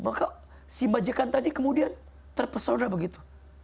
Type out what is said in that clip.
maka si majikan tadi kemudian terpesona begitu